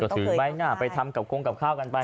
ก็ถือไม้หน้าไปทำกลมกลับข้าวกันไป